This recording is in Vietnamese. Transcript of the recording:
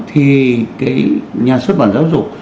thì nhà xuất bản giáo dục